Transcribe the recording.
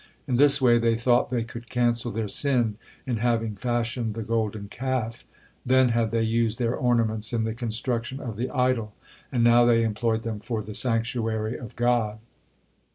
In this way they thought they could cancel their sin in having fashioned the Golden Calf; then had they used their ornaments in the construction of the idol, and now they employed them for the sanctuary of God.